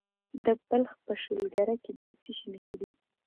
د بلخ په شولګره کې د څه شي نښې دي؟